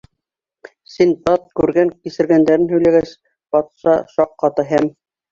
Синдбад күргән-кисергәндәрен һөйләгәс, батша шаҡ ҡата һәм: